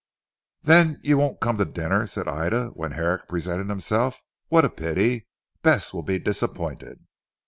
"Then you won't come to dinner?" said Ida when Herrick presented himself. "What a pity! Bess will be disappointed."